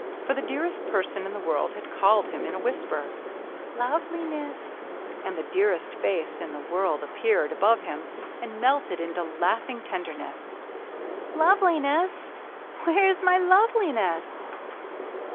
For the dearest person in the world had called him in a whisper, —" Love li ness !" And the dearest face in the world appeared above him and melted into laughing tenderness. " Loveliness ! Where 's my Xot?e li ness